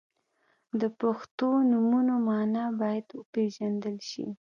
• د پښتو نومونو مانا باید وپیژندل شي.